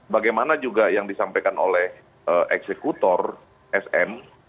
bagaimana juga yang disampaikan oleh eksekutor sm